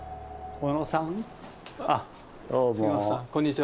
こんにちは。